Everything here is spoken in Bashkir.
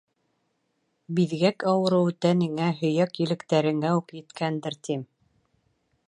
Биҙгәк ауырыуы тәнеңә, һөйәк електәреңә үк еткәндер, тим.